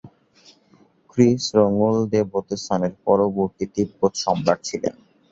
খ্রি-স্রোং-ল্দে-ব্ত্সানের পরবর্তী তিব্বত সম্রাট ছিলেন।